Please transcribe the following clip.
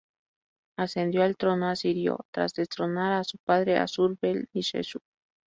Ascendió al trono asirio tras destronar a su padre, Assur-bel-nisheshu.